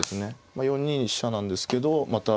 まあ４二飛車なんですけどまた。